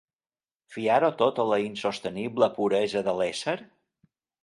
¿Fiar-ho tot a la insostenible puresa de l'ésser?